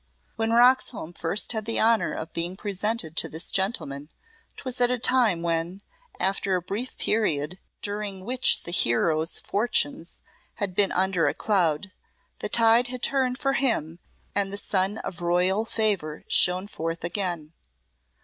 When Roxholm first had the honour of being presented to this gentleman 'twas at a time when, after a brief period during which the hero's fortunes had been under a cloud, the tide had turned for him and the sun of royal favour shone forth again.